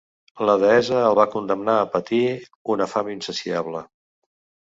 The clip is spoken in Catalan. La deessa el va condemnar a patir una fam insaciable.